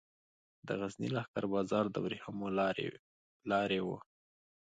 د غزني لښکر بازار د ورېښمو لارې و